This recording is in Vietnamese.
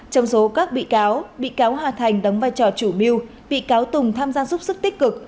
trong số các bị cáo bị cáo hà thành đóng vai trò chủ mưu bị cáo tùng tham gia giúp sức tích cực